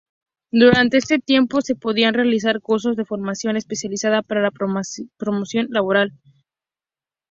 Durante este tiempo se podrán realizar cursos de formación especializada para la promoción laboral.